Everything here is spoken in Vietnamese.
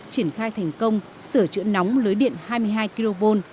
triển khai thành công sửa chữa nóng lưới điện hai mươi hai kv